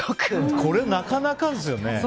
これはなかなかですよね。